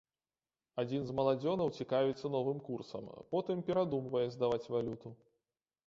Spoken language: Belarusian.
Адзін з маладзёнаў цікавіцца новым курсам, потым перадумвае здаваць валюту.